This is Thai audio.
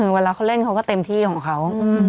เวลาเขาเล่นเขาก็เต็มที่ของเขา